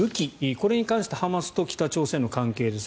これに関してハマスと北朝鮮の関係です。